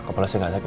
kepala sih gak sakit